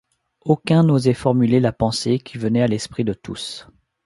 Aucun n’osait formuler la pensée qui venait à l’esprit de tous.